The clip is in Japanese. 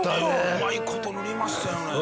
うまい事塗りましたよね。